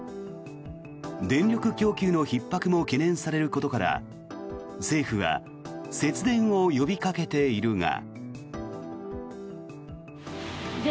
電力供給のひっ迫も懸念されることから政府は節電を呼びかけているが。